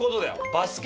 バスケ